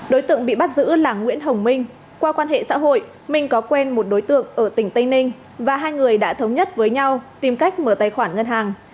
đối tượng bị bắt giữ là nguyễn hồng minh qua quan hệ xã hội minh có quen một đối tượng ở tỉnh tây ninh và hai người đã thống nhất với nhau tìm cách mở tài khoản ngân hàng